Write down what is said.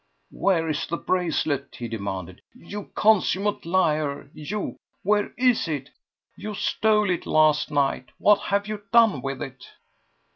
"Where is the bracelet?" he demanded. "You consummate liar, you! Where is it? You stole it last night! What have you done with it?"